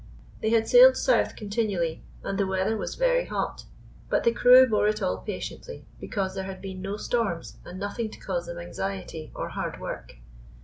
They had sailed south con tinually, and the weather was very hot ; but the crew bore it all patiently because there had been no storms and nothing to cause them anxiety or hard work.